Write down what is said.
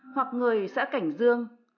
hoặc người xã cảnh dương